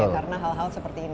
karena hal hal seperti ini